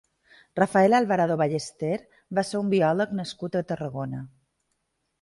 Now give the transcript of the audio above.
Rafael Alvarado Ballester va ser un biòleg nascut a Tarragona.